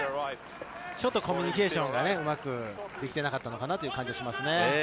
ちょっとコミュニケーションがうまくいっていなかったという感じがしますね。